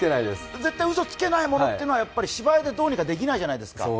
絶対うそつけないものっていうのは、芝居でどうにかできないじゃないですか。